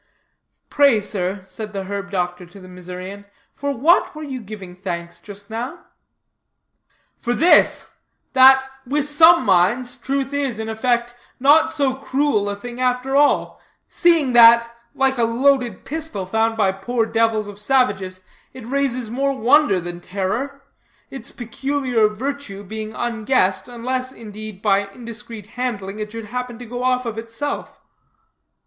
"Pray, sir," said the herb doctor to the Missourian, "for what were you giving thanks just now?" "For this: that, with some minds, truth is, in effect, not so cruel a thing after all, seeing that, like a loaded pistol found by poor devils of savages, it raises more wonder than terror its peculiar virtue being unguessed, unless, indeed, by indiscreet handling, it should happen to go off of itself."